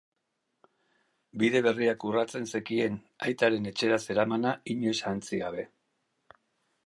Bide berriak urratzen zekien, aitaren etxera zeramana inoiz ahantzi gabe.